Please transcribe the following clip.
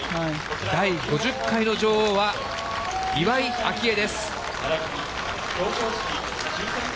第５０回の女王は、岩井明愛です。